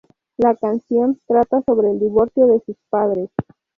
La canción trata sobre el divorcio de sus padres.